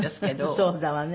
そうだわね。